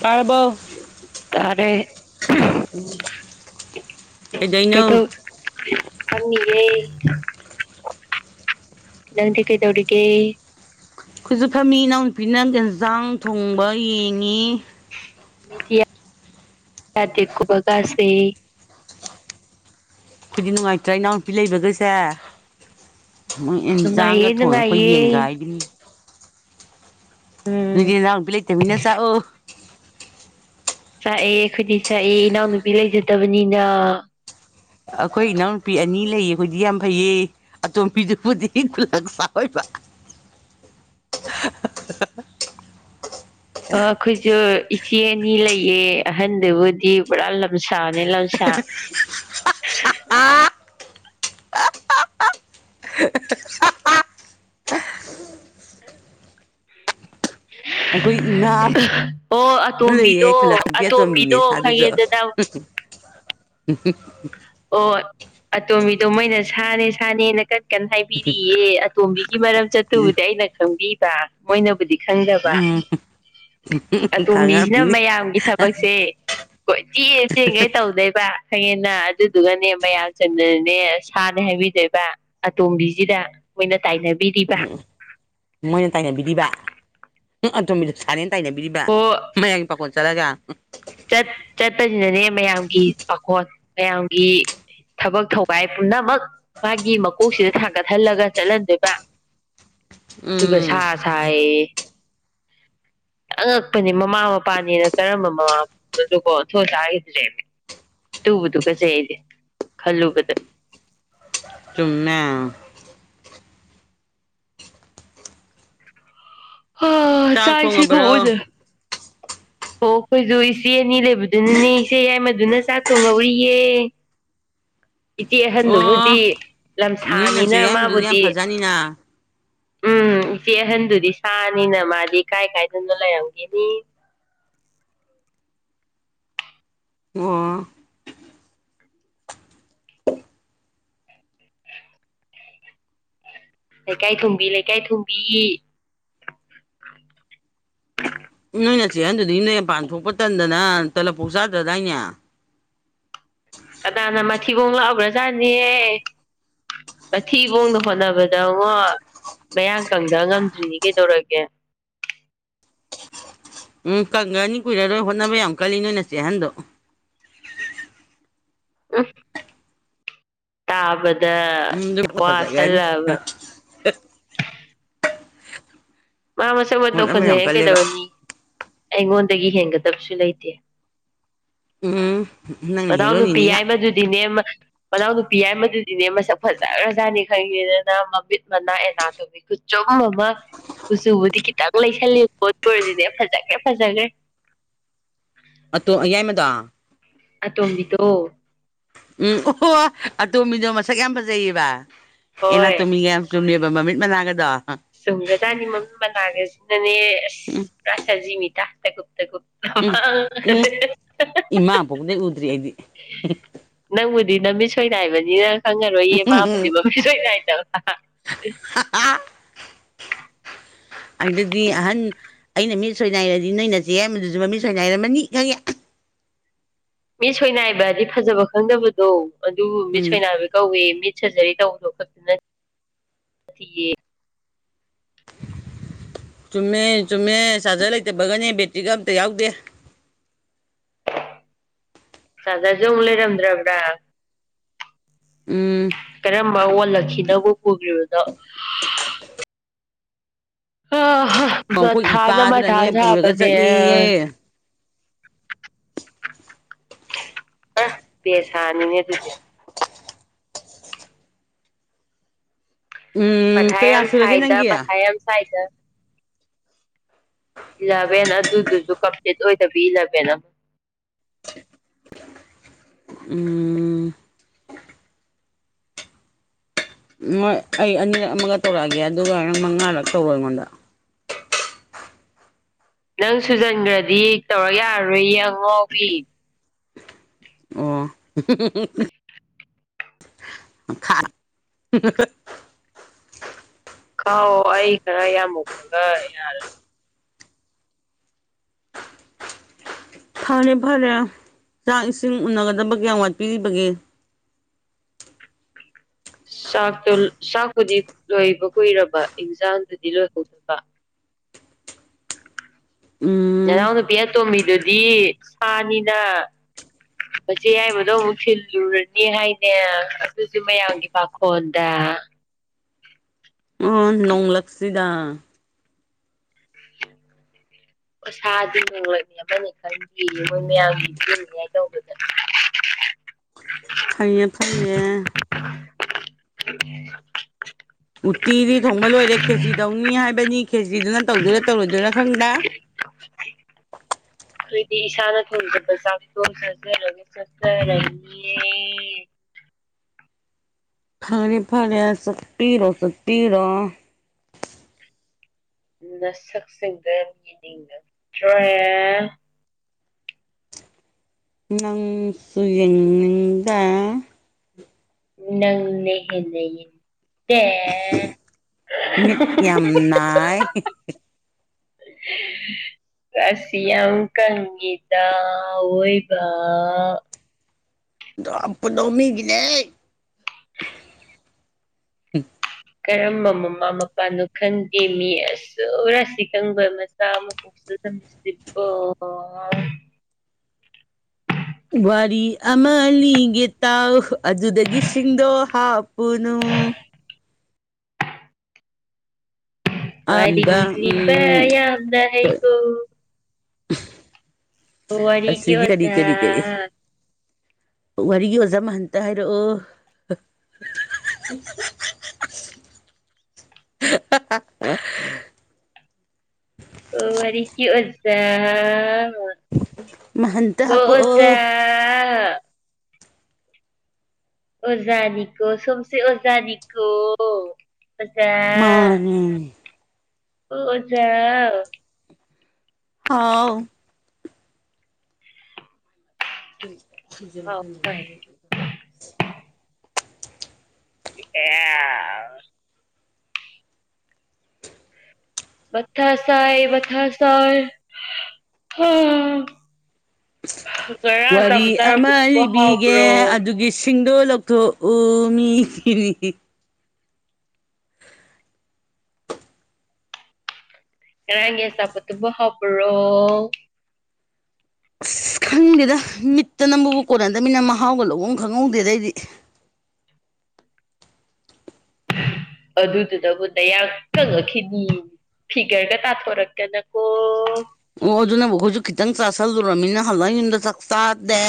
ꯇꯥꯔꯕꯣ ꯇꯥꯔꯦ ꯀꯗꯩꯅꯣ ꯀꯩꯗꯧ ꯐꯝꯃꯤꯌꯦ ꯅꯪꯗꯤ ꯀꯩ ꯇꯧꯔꯤꯒꯦ ꯑꯩꯈꯣꯏꯁꯨ ꯐꯝꯃꯤ ꯏꯅꯥꯎꯅꯨꯄꯤꯅ ꯌꯦꯟꯖꯥꯡ ꯊꯣꯡꯕ ꯌꯦꯡꯉꯤ ꯗꯤꯌꯥ ꯌꯥꯗꯀꯕꯒꯥꯥꯁꯦ ꯑꯩꯈꯣꯏꯗꯤ ꯅꯨꯡꯉꯥꯏꯇ꯭ꯔ ꯏꯅꯥꯎꯅ ꯅꯨꯄꯤ ꯂꯩꯕꯈꯩꯁꯦ ꯌꯦꯟ ꯆꯥꯡꯒ ꯅꯨꯡꯉꯥꯏꯌꯦ ꯊꯣꯡꯉꯦ ꯑꯩꯈꯣꯏ ꯅꯨꯡꯉꯥꯏꯌꯦ ꯌꯦꯟꯒꯥꯏꯗꯨꯅꯤ ꯅꯪꯗꯤ ꯎꯝ ꯅꯅꯥꯎꯄꯤ ꯂꯩꯇꯕꯅꯤꯅ ꯆꯥꯛꯑꯣ ꯆꯥꯛꯑꯦ ꯑꯩꯈꯣꯏꯗꯤ ꯆꯥꯛꯑꯦ ꯏꯅꯥꯎꯅꯨꯄꯤ ꯂꯩꯖꯗꯕꯅꯤꯅ ꯑꯩꯈꯣꯏ ꯏꯅꯥꯎꯅꯨꯄꯤ ꯑꯅꯤ ꯂꯩꯌꯦ ꯑꯩꯈꯣꯏꯗꯤ ꯌꯥꯝ ꯐꯩꯌꯦ ꯑꯇꯣꯝꯕꯤꯗꯨꯄꯨꯗꯤ ꯈꯨꯂꯛꯄ ꯑꯣꯏꯕ ꯑꯩꯈꯣꯏꯁꯨ ꯏꯆꯦ ꯑꯅꯤ ꯂꯩꯌꯦ ꯑꯍꯟꯗꯨꯕꯨꯗꯤ ꯄꯨꯔꯥ ꯂꯝꯁꯥꯅꯦ ꯂꯝꯁꯥ ꯑ ꯑꯩꯈꯣꯏ ꯗꯨꯅ ꯑꯣ ꯂꯩꯌꯦ ꯑꯇꯣꯝꯕꯤꯗꯣ ꯑꯩ ꯈꯨꯣꯏꯠꯂꯛ ꯈꯠꯕꯤ ꯑꯇꯣꯝꯕꯤꯅꯦ ꯑꯇꯣꯝꯕꯤꯗꯣ ꯁꯥꯗꯨꯁꯨ [inaudible] ꯈꯪꯉꯦꯗꯅ ꯑꯣ ꯑꯇꯣꯝꯕꯤꯗꯣ ꯃꯣꯏꯅ ꯁꯥꯅꯦ ꯁꯥꯅꯦꯅ ꯀꯟ ꯀꯟꯅ ꯍꯥꯏꯕꯤꯔꯤꯌꯦ ꯇꯣꯝꯕꯤꯒꯤ ꯃꯔꯝ ꯆꯠꯇꯨꯕꯨꯗꯤ ꯑꯩꯅ ꯈꯪꯕꯤꯕ ꯃꯣꯏꯅꯕꯨꯗꯤ ꯈꯪꯗꯕ ꯎꯝ ꯑꯇꯣꯝꯕꯤꯁꯤꯅ ꯈꯪꯉꯝꯅꯤ ꯃꯌꯥꯝꯒꯤ ꯊꯕꯛꯁꯦ ꯀꯣꯏ ꯆꯦꯟ ꯆꯦꯟꯈꯩ ꯇꯧꯗꯣꯏꯕ ꯈꯪꯌꯦꯅ ꯑꯗꯨꯗꯨꯒꯅꯦ ꯃꯌꯥꯝ ꯆꯨꯝꯗꯅꯅꯦ ꯁꯥꯅꯦ ꯍꯥꯏꯕꯤꯗꯣꯏꯕ ꯑꯇꯣꯝꯕꯤꯁꯤꯗ ꯃꯣꯏꯅ ꯇꯥꯏꯅꯕꯤꯔꯤꯕ ꯃꯣꯏꯅ ꯇꯥꯏꯅꯕꯤꯔꯤꯕ ꯎ ꯑꯇꯣꯝꯕꯤꯗ ꯁꯥꯅꯤꯅ ꯇꯥꯏꯅꯕꯤꯔꯤꯕ ꯑꯣ ꯃꯌꯥꯝꯒꯤ ꯄꯥꯈꯣꯟ ꯆꯠꯂꯒ ꯆꯠꯄꯁꯤꯅꯅꯦ ꯃꯌꯥꯝꯒꯤ ꯄꯥꯈꯣꯟ ꯃꯌꯥꯝꯒꯤ ꯊꯕꯛ ꯊꯧꯒꯏ ꯄꯨꯝꯅꯃꯛ ꯃꯥꯒꯤ ꯃꯀꯣꯛꯁꯤꯗ ꯊꯥꯡꯒꯠꯍꯜꯂꯒ ꯆꯠꯍꯟꯗꯣꯏꯕ ꯑꯗꯨꯒ ꯎꯝ ꯁꯥ ꯁꯥꯏ ꯑꯉꯛꯄꯅꯦ ꯃꯃꯥ ꯃꯄꯥꯅꯤꯅ ꯀꯔꯝꯕ ꯃꯃꯥ ꯃꯄꯥꯅꯣꯗꯨꯀꯣꯊꯣꯏꯁꯈꯤꯗꯨ ꯂꯩꯃꯦ ꯇꯨꯕꯨꯇꯨꯀꯠꯖꯩ ꯑꯩꯗꯤ ꯈꯜꯂꯨꯕꯗ ꯆꯨꯝꯃꯦ ꯑ ꯆꯥꯛ ꯆꯥꯏꯁꯤ ꯊꯣꯡꯉꯕ꯭ꯔꯣ ꯀꯧꯗ ꯑꯣ ꯑꯩꯈꯣꯏꯁꯨ ꯏꯆꯦ ꯑꯅꯤ ꯂꯩꯕꯗꯨꯅꯅꯦ ꯏꯆꯦ ꯌꯥꯏ ꯃꯗꯨꯅ ꯆꯥꯛ ꯊꯣꯡꯍꯧꯔꯤꯌꯦ ꯑ [unintelligible] ꯏꯆꯦ ꯑꯍꯟꯗꯨꯕꯨꯗꯤ ꯑꯣ ꯅꯣꯏ ꯂꯝꯁꯥꯅꯤꯅ ꯅꯆꯦ ꯌꯥꯏꯃꯗꯨꯗꯤ ꯌꯥꯝ ꯃꯥꯕꯨꯗꯤ ꯐꯖꯅꯤꯅ ꯎꯝ ꯏꯆꯦ ꯑꯍꯟꯗꯨꯗꯤ ꯁꯥꯅꯤꯅ ꯃꯥꯗꯤ ꯀꯥꯏ ꯀꯥꯏꯗꯅꯣ ꯂꯩꯔꯝꯒꯤꯅꯤ ꯑꯣ ꯂꯩꯀꯥꯏ ꯊꯨꯡꯕꯤ ꯂꯩꯀꯥꯏ ꯊꯨꯡꯕꯤ ꯅꯣꯏ ꯅꯆꯦ ꯑꯍꯟꯗꯨꯗꯤ ꯅꯣꯏ ꯃꯄꯥꯟ ꯊꯣꯛꯄ ꯇꯟꯗꯅ ꯇꯂꯞꯄꯥꯎ ꯆꯥꯗ꯭ꯔꯗꯥꯏꯅꯦ ꯀꯅꯥꯅ ꯃꯊꯤꯕꯣꯡ ꯂꯥꯛꯕ꯭ꯔꯖꯥꯠꯅꯦꯌꯦ ꯃꯊꯤꯕꯣꯡꯗ ꯍꯣꯠꯅꯕꯗ ꯉꯣ ꯃꯌꯥꯡ ꯀꯪꯗ ꯉꯝꯗ꯭ꯔꯤꯅꯤ ꯀꯩꯗꯧꯔꯒꯦ ꯎꯝ ꯀꯪꯒꯅꯤ ꯀꯨꯏꯔꯔꯣꯏ ꯍꯣꯠꯅꯕ ꯌꯥꯝ ꯀꯥꯜꯂꯤ ꯅꯣꯏ ꯅꯁꯦ ꯑꯍꯟꯗꯣ ꯎꯝ ꯇꯥꯕꯗ ꯎꯝ ꯑꯗꯨ ꯐꯖꯒ꯭ꯔꯅꯤ ꯋꯥꯁꯜꯂꯛꯑꯕ ꯃꯥ ꯃꯁꯛ ꯃꯇꯧ ꯍꯣꯠꯅꯕ ꯌꯥꯝ ꯐꯖꯩꯍꯦ ꯀꯜꯂꯦꯕ ꯀꯩꯗꯧꯔꯨꯅꯤ ꯑꯩꯉꯣꯟꯗꯒꯤ ꯍꯦꯟꯒꯗꯕꯁꯨ ꯂꯩꯇꯦ ꯎꯝ ꯅꯪꯅ ꯃꯅꯥꯎ ꯅꯨꯄꯤ ꯍꯦꯔꯣꯅꯤꯅꯤꯅ ꯌꯥꯢꯃ ꯗꯨꯗꯤꯅꯦ ꯃꯅꯥꯎ ꯅꯨꯄꯤ ꯌꯥꯏ ꯃꯗꯨꯗꯤꯅꯦ ꯃꯁꯛ ꯐꯖꯈ꯭ꯔꯖꯥꯠꯅꯤ ꯈꯪꯉꯦꯗꯅ ꯃꯃꯤꯠ ꯃꯅꯥ ꯑꯦꯅꯥ ꯇꯣꯃꯤ ꯈꯨꯆꯨꯝ ꯑꯃ ꯀꯨꯆꯨꯕꯨꯗꯤ ꯈꯤꯇꯪ ꯂꯩꯁꯜꯂꯤ ꯑꯗꯨ ꯑꯣꯢꯔꯁꯨ ꯐꯖꯈ꯭ꯔꯦ ꯐꯖꯈ꯭ꯔꯦ ꯑꯗꯣ ꯑꯌꯥꯏꯃꯗꯣ ꯑꯇꯣꯝꯕꯤꯗꯣ ꯎꯝ ꯑꯣꯍꯣ ꯑꯇꯣꯝꯕꯤꯗꯣ ꯃꯁꯛ ꯌꯥꯝ ꯐꯖꯩꯌꯦꯕ ꯍꯣꯏ ꯑꯦꯅꯥꯇꯣꯝꯃꯤꯒ ꯌꯥꯝ ꯆꯨꯝꯃꯦꯕ ꯃꯃꯤꯠ ꯃꯅꯥꯒꯗꯣ ꯆꯨꯝꯒ꯭ꯔꯖꯥꯠꯅꯤ ꯃꯃꯤꯠ ꯃꯅꯥꯒꯖꯤꯅꯅꯦ ꯑꯥꯁ ꯁꯥꯖꯤ ꯃꯤꯠꯇ ꯇꯥꯀꯨꯞ ꯇꯥꯀꯨꯞ ꯎꯝ ꯎꯝ ꯏꯃꯥ ꯄꯣꯛꯄꯗꯩ ꯎꯗ꯭ꯔꯤ ꯑꯩꯗꯤ [inaudible] ꯅꯪꯕꯨꯗꯤ ꯅꯃꯤꯠ ꯁꯣꯏꯅꯥꯏꯕꯅꯤꯅ ꯈꯪꯉꯔꯣꯏꯌꯦ ꯃꯥꯕꯨꯗꯤ ꯃꯃꯤꯠ ꯁꯣꯏꯅꯥꯏꯗꯕ ꯍꯥ ꯍꯥ ꯑꯗꯨꯗꯤ ꯑꯍꯥꯜ ꯑꯩꯅ ꯃꯤꯠ ꯁꯣꯏꯅꯥꯏꯔꯗꯤ ꯅꯣꯏ ꯅꯆꯦ ꯌꯥꯢꯃꯗꯨꯁꯨ ꯃꯃꯤꯠ ꯁꯣꯏꯅꯔꯝꯃꯅꯤ ꯈꯪꯉꯦ ꯃꯤꯠ ꯁꯣꯏꯅꯥꯏꯕꯗꯤ ꯐꯖꯕ ꯈꯪꯗꯕꯗꯣ ꯑꯗꯨꯕꯨ ꯃꯤꯠ ꯎꯝ ꯁꯣꯏꯅꯥꯏꯕ ꯀꯧꯢ ꯃꯤꯠ ꯃꯤꯠ ꯁꯖꯔꯤ ꯇꯧꯕꯗꯣ ꯈꯛꯇꯅ ꯅꯠꯇꯦꯌꯦ ꯆꯨꯝꯃꯦ ꯆꯨꯝꯃꯦ ꯆꯥꯔꯖꯔ ꯂꯩꯇꯕꯒꯅꯦ ꯕꯦꯇ꯭ꯔꯤꯒ ꯑꯝꯇ ꯌꯥꯎꯗꯦ ꯆꯥꯔꯖꯔꯁꯨ ꯑꯃꯨꯛ ꯂꯩꯔꯝꯗ꯭ꯔꯕ꯭ꯔ ꯎꯝ ꯀꯔꯝꯕ ꯑꯣꯜꯂꯛꯈꯤꯅꯕꯨ ꯄꯨꯈ꯭ꯔꯤꯕꯅꯣ ꯑ ꯑꯩꯈꯣꯏ ꯃꯥꯊꯥꯅ ꯃꯊꯥ ꯏꯄꯥꯗꯨꯅꯅꯦ ꯄꯨꯔꯒ ꯁꯥꯕꯅꯦ ꯆꯠꯂꯦꯌꯦ ꯑ ꯄꯦꯁꯥꯥꯅꯤꯅꯦ ꯑꯗꯨꯗꯤ ꯎꯝ ꯃꯊꯥ ꯀꯌꯥ ꯌꯥꯝ ꯁꯨꯔꯒꯦ ꯁꯥꯏꯗ ꯅꯪꯒꯤ ꯃꯊꯥ ꯌꯥꯝ ꯁꯥꯏꯗ ꯏꯂꯚꯦꯟ ꯑꯗꯨꯗꯨꯁꯨ ꯀꯝꯄ꯭ꯂꯤꯠ ꯑꯣꯏꯗꯕꯤ ꯏꯂꯚꯦꯟ ꯑꯃ ꯎꯝ ꯎꯝ ꯃꯣꯏ ꯑꯩ ꯑꯅꯤꯔꯛ ꯑꯃꯒ ꯇꯧꯔꯛꯑꯒꯦ ꯑꯗꯨꯒ ꯅꯪ ꯃꯉꯥꯔꯛ ꯇꯧꯔꯣ ꯑꯩꯉꯣꯟꯗ ꯅꯪ ꯁꯨꯖꯟꯒꯔꯗꯤ ꯇꯧꯔꯛ ꯌꯥꯔꯔꯣꯏꯌꯦ ꯑꯉꯥꯎꯕꯤ ꯑꯣ ꯃꯈꯥ ꯀꯥꯎ ꯑꯩ ꯈꯔ ꯌꯥꯝꯃꯨꯕꯒ ꯌꯥꯔꯦ ꯐꯔꯦ ꯐꯔꯦ ꯆꯥꯛ ꯏꯁꯤꯡ ꯎꯅꯒꯗꯕ ꯀꯌꯥꯝ ꯋꯥꯠꯄꯤꯔꯤꯕꯒꯦ ꯆꯥꯛꯇꯣ ꯆꯥꯛꯄꯨꯗꯤ ꯂꯣꯏꯕ ꯀꯨꯏꯔꯕ ꯏꯟꯖꯥꯡꯗꯨꯗꯤ ꯂꯣꯏꯍꯧꯗꯕ ꯎꯝ ꯅꯅꯥꯎ ꯅꯨꯄꯤ ꯑꯇꯣꯝꯕꯤꯗꯨꯗꯤ ꯁꯥꯅꯤꯅ ꯃꯆꯦ ꯌꯥꯏꯕꯗꯣ ꯑꯃꯨꯛ ꯊꯤꯜꯂꯨꯔꯅꯤ ꯍꯥꯏꯅꯦ ꯑꯗꯨꯁꯨ ꯃꯌꯥꯝꯒꯤ ꯄꯥꯈꯣꯟꯗ ꯎꯝ ꯅꯣꯡꯂꯛꯁꯤꯗ [unintelligible] ꯑꯣꯁꯥꯗꯤ ꯃꯤꯡꯂꯣꯏꯕꯤ ꯑꯃꯅꯤ ꯈꯟꯗꯦꯌꯦ ꯃꯣꯏ ꯃꯌꯥꯝꯒꯤ ꯄꯤꯅꯤꯉꯥꯏ ꯇꯧꯕꯗ ꯐꯩꯌꯦ ꯐꯩꯌꯦ ꯆ [inaudible] ꯎꯇꯤꯗꯤ ꯊꯣꯡꯕ ꯂꯣꯏꯔꯦ ꯈꯦꯖꯤ ꯇꯧꯅꯤ ꯍꯥꯏꯕꯅꯤ ꯈꯦꯖꯤꯗꯨꯅ ꯇꯧꯗꯣꯏꯔꯥ ꯇꯧꯔꯣꯏꯗꯣꯏꯔꯥ ꯈꯪꯗꯦ ꯑꯩꯈꯣꯏꯗꯤ ꯏꯁꯥꯅ ꯊꯣꯡꯖꯕ ꯆꯥꯛꯇꯣꯡ ꯆꯥꯖꯔꯒ ꯆꯠꯖꯔꯀꯦ ꯐꯔꯦ ꯐꯔꯦ ꯆꯠꯕꯤꯔꯣ ꯆꯠꯕꯤꯔꯣ ꯅꯁꯛꯁꯤꯡꯗꯣ ꯌꯦꯡꯅꯤꯡꯗ꯭ꯔꯦ ꯅꯪꯁꯨ ꯌꯦꯡꯅꯤꯡꯗꯦ ꯅꯪꯅ ꯍꯦꯟꯅ ꯌꯦꯡꯇꯦ ꯃꯤꯠ ꯌꯥꯝ ꯅꯥꯏ [unintelligible] ꯔꯥꯁꯤ ꯌꯥꯝ ꯀꯪꯉꯤꯗ ꯑꯑꯣꯏꯕ ꯄꯨꯅꯃꯤꯒꯤꯅꯦ ꯀꯔꯝꯕ ꯃꯃꯥ ꯃꯄꯥꯅꯣ ꯈꯪꯗꯦꯃꯤ ꯑꯁꯨ ꯔꯥꯁꯤ ꯀꯪꯕ ꯃꯆꯥ ꯑꯃ ꯁꯤꯗꯥ ꯇꯝꯃꯤꯁꯤꯕꫭ ꯋꯥꯔꯤ ꯑꯃ ꯂꯤꯒꯦ ꯇꯥꯎ ꯑꯗꯨꯗꯒꯤ ꯁꯤꯡꯗꯣ ꯍꯥꯞꯄꯨꯅꯨ ꯑ ꯋꯥꯔꯤ ꯏꯕ ꯂꯤꯕ ꯎꯝ ꯌꯥꯝꯅ ꯍꯩꯀꯣ ꯋꯥꯔꯤꯒꯤ ꯑꯁꯤꯒꯤ ꯀꯔꯤ ꯑꯣꯖꯥ ꯀꯔꯤ ꯀꯔꯤ ꯋꯥꯔꯤꯒꯤ ꯑꯣꯖꯥ ꯃꯍꯟꯇ ꯍꯥꯏꯔꯛꯑꯣ [unintelligible] ꯑꯣ ꯋꯥꯔꯤꯒꯤ ꯑꯣꯖꯥ ꯍꫭ ꯃꯍꯟꯇ ꯑꯣꯖꯥ ꯍꯥꯞꯄꯛꯑꯣ ꯑ ꯑꯣꯖꯥꯅꯤꯀꯣ ꯁꯣꯝꯁꯦ ꯑꯣꯖꯥꯅꯤꯀꯣ ꯑꯣꯖꯥ ꯎꯝ ꯑꯣ ꯑꯣꯖꯥꯎ ꯍꯥꯎ ꯍꯥꯎ [unintelligible] ꯑꯦꯁ ꯃꯊꯥ ꯁꯥꯏ ꯃꯊꯥ ꯁꯥꯏ ꯍꯥꯥ ꯋꯥꯔꯤ ꯑꯃ ꯆꯥꯔꯝꯕꯗꯨꯕꯨ ꯂꯤꯕꯤꯒꯦ ꯑꯗꯨꯒꯤ ꯁꯤ ꯆꯤꯡꯗꯣ ꯂꯧꯊꯣꯛꯎ ꯃꯤꯒꯤꯔꯤ ꯉꯔꯡꯒꯤ ꯑꯆꯥꯄꯥꯠꯇꯨꯕꯣ ꯍꯥꯎꯕꯔꯣ ꯑꯁ ꯈꯪꯗꯦꯗ ꯃꯤꯠꯇ ꯅꯝꯕꯕꯧ ꯀꯣꯟꯅꯗꯝꯅꯤꯅ ꯃꯍꯥꯎꯒ ꯂꯧꯕꯝ ꯈꯪꯍꯧꯗꯦꯗ ꯑꯩꯗꯤ ꯑꯗꯨꯗꯨꯗꯕꯨ ꯅꯌꯥ ꯀꯪꯉꯛꯈꯤꯅꯤ ꯐꯤꯒꯔꯒꯥ ꯇꯥꯊꯣꯔꯛꯇꯅꯀꯣ ꯑꯣ ꯑꯗꯨꯅꯕꯨ ꯈꯣꯏꯁꯨ ꯈꯤꯇꯪ ꯆꯥꯥꯁꯜꯂꯨꯨꯔꯃꯤꯅ ꯍꯜꯂꯛ ꯌꯨꯝꯗ ꯆꯥꯛ ꯆꯥꯗꯦ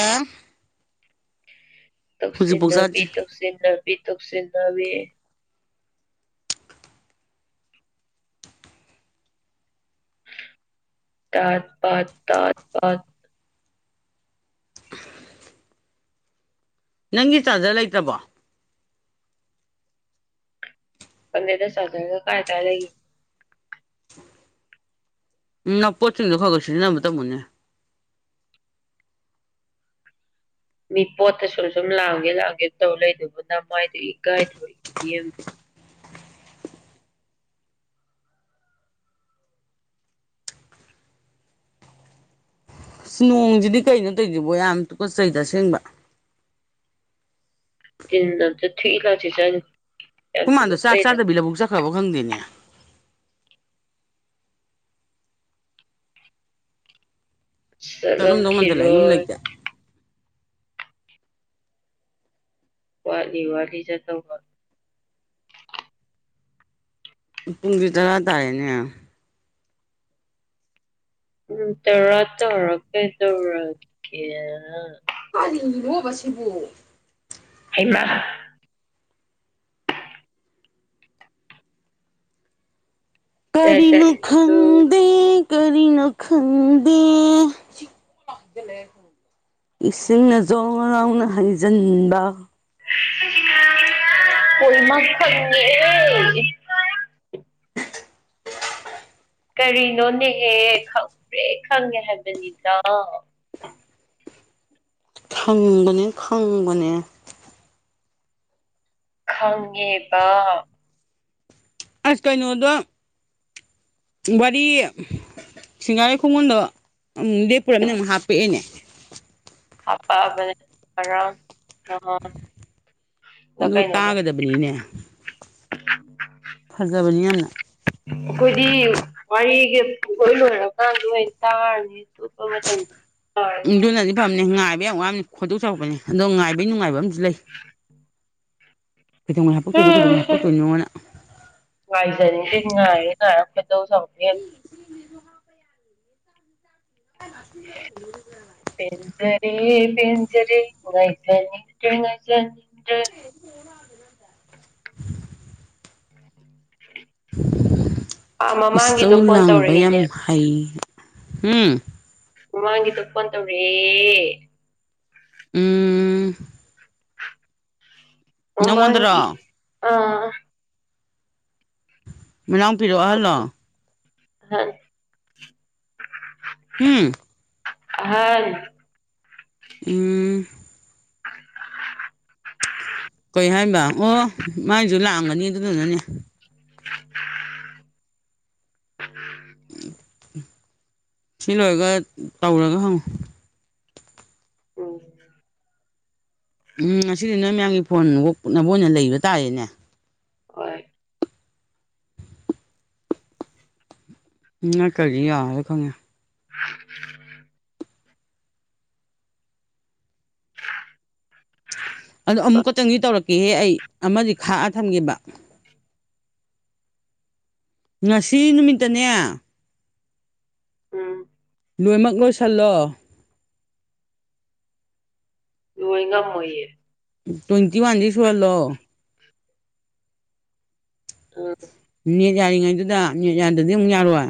ꯍꯧꯖꯤꯛꯐꯥꯎ ꯇꯧꯁꯤꯟꯅꯕꯤ ꯆꯥꯗ꯭ꯔꯤ ꯇꯧꯁꯤꯟꯅꯕꯤ ꯇꯧꯁꯤꯟꯅꯕꯤ ꯇꯥꯠ ꯄꯥꯠ ꯇꯥꯠ ꯄꯥꯠ ꯅꯪꯒꯤ ꯆꯥꯖꯔ ꯂꯩꯇꯔꯕꯣ ꯄꯟꯗꯦꯗ ꯆꯥꯔꯖꯔꯒ ꯀꯥꯏ ꯀꯥꯢ ꯂꯤꯒꯤ ꯎꯝ ꯅꯄꯣꯠꯁꯤꯡꯗꯣ ꯈꯔ ꯈꯔ ꯁꯤꯖꯤꯟꯅꯕ ꯇꯝꯃꯨꯅꯦ ꯃꯤ ꯄꯣꯠꯇ ꯁꯨꯝ ꯁꯨꯝ ꯂꯥꯡꯒꯦ ꯂꯥꯡꯒꯦ ꯇꯧ ꯂꯩꯗꯨꯕꯨ ꯃꯥꯏꯗꯨ ꯏꯀꯥꯏꯗ꯭ꯔꯣ ꯢꯕꯦꯝ ꯅꯣꯡꯖꯤꯗꯤ ꯀꯩꯅꯣ ꯇꯧꯖꯤꯕꯣ ꯌꯥꯝ ꯇꯨꯀꯠꯆꯩꯗ ꯑꯁꯦꯡꯕ ꯇꯤꯟꯗꯣ ꯑꯝꯇꯥ ꯊꯨꯢ ꯂꯥꯎ ꯁꯤꯆꯟ ꯈꯨꯃꯥꯗꯣ ꯆꯥꯛ ꯆꯥꯗꯕꯤ ꯂꯕꯨꯛ ꯆꯠꯈ꯭ꯔꯕꯣ ꯈꯪꯗꯦꯅꯦ ꯆꯠꯂꯝ ꯆꯠꯂꯝꯗꯧ ꯃꯥꯟꯖꯜꯂꯛꯑꯦ ꯌꯨꯝ ꯈꯤꯔꯣꯏ ꯂꯩꯇꯦ ꯋꯥꯠꯂꯤ ꯋꯥꯠꯂꯤ ꯆꯠꯇꯧꯕ ꯄꯨꯡꯗꯤ ꯇꯔꯥ ꯇꯥꯔꯦꯅꯦ ꯎꯝ ꯇꯧꯔ ꯇꯧꯔ [inaudible] ꯀꯦ ꯇꯧꯔꯛ ꯀꯦ ꯀꯔꯤꯅꯣꯕꯥ ꯁꯤꯕꯨ ꯍꯩꯕ꯭ꯔꯥ ꯖꯥꯠ ꯀꯔꯤꯅꯣ ꯖꯥꯠꯅꯤꯀꯣ ꯈꯪꯗꯦ ꯀꯔꯤꯅꯣ ꯈꯪꯗꯦ ꯏꯁꯤꯡꯅ ꯖꯣꯔ ꯂꯥꯎꯅ ꯍꯩꯖꯤꯟꯕ ꯍꫭꯏ ꯃꯥ ꯈꯪꯉꯦ ꯀꯔꯤꯅꯣ ꯅꯦꯍꯦ ꯈꯪꯄ꯭ꯔꯦꯛ ꯈꯪꯉꯦ ꯍꯥꯏꯕꯅꯤꯗ ꯊꯪꯕꯅꯦ ꯈꯪꯕꯅꯦ ꯈꯪꯉꯦꯕ ꯑꯁ ꯀꯩꯅꯣꯗꯣ ꯋꯥꯔꯤ ꯁꯤꯡꯒꯥꯔꯩ ꯈꯣꯡꯒꯨꯟꯗꯣ ꯑꯃꯨꯛ ꯂꯦꯞꯄꯨꯔꯝꯅꯦ ꯑꯃꯨꯛ ꯍꯥꯞꯄꯛꯑꯦꯅꯦ ꯍꯥꯄꯛꯑꯕꯅꯦ ꯉꯔꯥꯡ ꯅꯍꯥꯟ ꯂ ꯑꯗꯨ ꯀꯩꯅꯣꯝꯃ ꯇꯥꯒꯗꯕꯅꯤꯅꯦ ꯐꯔꯖꯥꯕꯅꯤ ꯌꯥꯝꯅ ꯑꯩꯈꯣꯏꯗꯤ ꯋꯥꯔꯤꯖꯤ ꯄꯨꯡꯂꯣꯏ ꯂꯣꯏꯔꯀꯥꯟꯗ ꯑꯣꯏꯅꯥ ꯇꯥꯔꯅꯤ [unintelligible] ꯑꯗꯨꯅꯗꯤ ꯐꯝꯅꯦ ꯉꯥꯏꯕ ꯌꯥꯝ ꯋꯥꯃꯦ ꯈꯣꯏꯗꯧ ꯁꯥꯎꯒꯠꯄꯅꯦ ꯑꯗꯣ ꯉꯥꯏꯕꯩ ꯅꯨꯡꯉꯥꯏꯕ ꯑꯝꯖꯨ ꯂꯩ [inaudible] ꯀꯗꯧꯉꯩ ꯍꯥꯄꯛꯇꯣꯏꯅꯣ ꯀꯩꯗꯧꯉꯩ ꯍꯥꯞꯄꯛꯇꯣꯏꯅꯣꯅ ꯉꯥꯏꯖꯅꯤꯡꯗꯦ ꯉꯥꯏꯔ ꯉꯥꯏꯔ ꯈꯣꯌꯗꯧ ꯁꯧꯒꯠꯄ ꯍꯦꯜꯂꯤ꯫ [unintelligible] ꯄꯦꯟꯖꯔꯦ ꯄꯦꯟꯖꯥꯔꯦ ꯉꯥꯏꯖꯅꯤꯡꯗ꯭ꯔꯦ ꯉꯖꯅꯤꯡꯗꯔꯦ [unintelligible] ꯑꯥ ꯏꯁꯧ ꯃꯃꯥꯡꯒꯤꯗꯣ ꯐꯣꯟ ꯂꯥꯡꯕ ꯌꯥꯝ ꯇꯧꯔꯛꯏꯅꯦ ꯍꯩ ꯎꯝ ꯃꯃꯥꯡꯒꯤꯗꯣ ꯐꯣꯟ ꯇꯧꯔꯥꯛꯑꯦ ꯎꯝ ꯅꯪꯉꯣꯟꯗꯔꯣ ꯃꯃꯥꯡꯒꯤ ꯑ ꯃꯅꯥꯎꯄꯤꯔꯣ ꯑꯍꯜꯂꯣ ꯍꯟ ꯍꯝ ꯑꯍꯟ ꯎꯝ ꯀꯩ ꯍꯥꯏꯕ ꯑꯣ ꯃꯥꯏꯖꯨ ꯂꯥꯛꯑꯝꯒꯅꯤ ꯑꯗꯨꯗꯨꯅꯅꯦ [unintelligible] ꯁꯤ ꯂꯣꯏꯔꯒ ꯇꯧꯔꯒ ꯍꯪꯉꯨ ꯎꯝ ꯎꯝ ꯉꯁꯤꯗꯤ ꯅꯣꯏ ꯃꯌꯥꯝꯒꯤ ꯐꯣꯟ ꯑꯣꯛꯅꯕ ꯑꯣꯏꯅ ꯂꯩꯕ ꯇꯥꯔꯦꯅꯦ ꯍꯣꯏ ꯅꯠꯇꯔꯤꯗꯤ ꯌꯥꯔꯔꯣꯏ ꯈꯪꯉꯦ ꯎꯝ [unintelligible] [inaudible] ꯑꯗꯣ ꯑꯃꯨꯛ ꯈꯛꯇꯪꯗꯤ ꯇꯧꯔꯛꯀꯦꯍꯦ ꯑꯩ ꯑꯃꯗꯤ ꯈꯥꯛꯑ ꯊꯝꯒꯦꯕ ꯉꯁꯤ ꯅꯨꯃꯤꯠꯇꯅꯦ ꯎꯝ ꯂꯣꯏꯅꯃꯛ ꯂꯣꯏꯁꯤꯜꯂꯣ ꯂꯣꯏ ꯉꯝꯃꯣꯏꯌꯦ ꯇ꯭ꯋꯦꯟꯇꯤ ꯋꯥꯟꯗꯤ ꯁꯨꯍꯜꯂꯣ ꯎꯝ ꯅꯦꯠ ꯌꯥꯔꯤꯉꯩꯗꯨꯗ ꯅꯦꯠ ꯌꯥꯗ꯭ꯔꯗꯤ ꯑꯃꯨꯛ ꯌꯥꯔꯣꯏ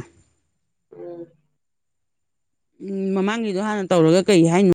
ꯎꯝ ꯎꯝ ꯃꯃꯥꯡꯒꯤꯗꯣ ꯍꯥꯟꯅ ꯇꯧꯔꯒ ꯀꯩ ꯍꯥꯏꯅꯣ